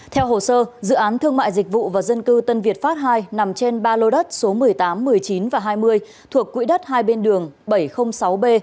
theo hồ sơ dự án thương mại dịch vụ và dân cư tân việt pháp ii nằm trên ba lô đất số một mươi tám một mươi chín và hai mươi thuộc quỹ đất hai bên đường bảy trăm linh sáu b